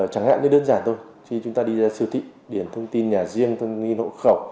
chẳng hạn như đơn giản thôi khi chúng ta đi ra siêu thị điển thông tin nhà riêng thông nghi hộ khẩu